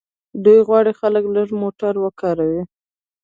دوی غواړي خلک لږ موټر وکاروي.